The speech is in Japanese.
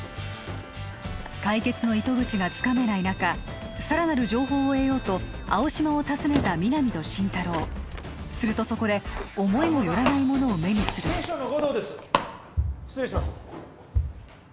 解決の糸口がつかめない中さらなる情報を得ようと青嶌を訪ねた皆実と心太朗するとそこで思いも寄らないものを目にする警視庁の護道です失礼します